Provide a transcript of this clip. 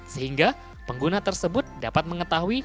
sehingga pengguna tersebut dapat mengetahui